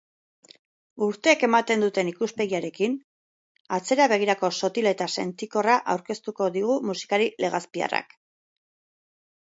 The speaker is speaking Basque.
Urteek ematen duten ikuspegiarekin, atzera-begirako sotil eta sentikorra aurkeztuko digu musikari legazpiarrak.